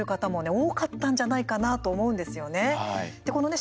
多かったんじゃないかなと思うんですよね。